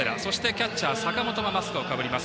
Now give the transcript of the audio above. キャッチャー、坂本がマスクをかぶります。